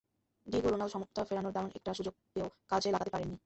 Diego Rolan সমতা ফেরানোর দারুণ একটা সুযোগ পেয়েও কাজে লাগাতে পারেননি।